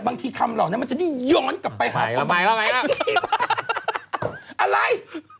บางทีคำหล่อมันจะย้อนกลับไปหักไอ้ที่ป่าวอะไร